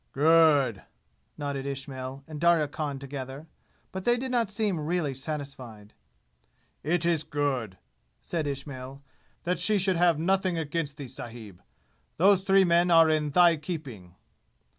"Good!" nodded Ismail and Darya Khan together, but they did not seem really satisfied. "It is good," said Ismail, "that she should have nothing against thee, sahib! Those three men are in thy keeping!"